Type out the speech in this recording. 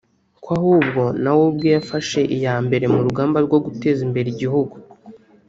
ko ahubwo na we ubwe yafashe iya mbere mu rugamba rwo guteza imbere igihugu